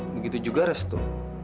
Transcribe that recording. begitu juga restu